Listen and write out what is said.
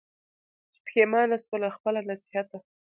چي پښېمانه سوه له خپله نصیحته